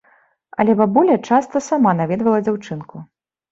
Але бабуля часта сама наведвала дзяўчынку.